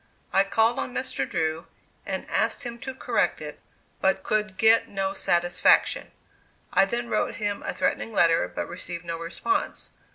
I called on Mr. Drew, and asked him to correct it, but could get no satisfaction. I then wrote him a threatening letter, but received no response.